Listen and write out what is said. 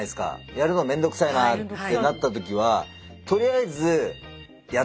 やるのめんどくさいなってなったときはとりあえずやってみる。